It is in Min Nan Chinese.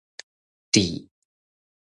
褫